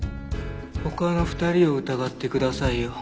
他の２人を疑ってくださいよ。